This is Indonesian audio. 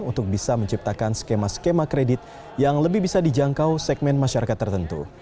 untuk bisa menciptakan skema skema kredit yang lebih bisa dijangkau segmen masyarakat tertentu